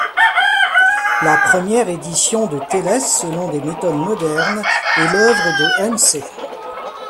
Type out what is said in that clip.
La première édition de Télès selon des méthodes modernes est l'œuvre de Hense.